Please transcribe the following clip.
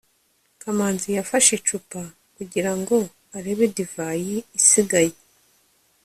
kamanzi yafashe icupa kugirango arebe divayi isigaye